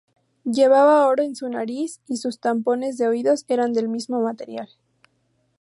Llevaba oro en su nariz y sus tapones de oídos eran del mismo material.